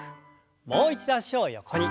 もう一度脚を横に。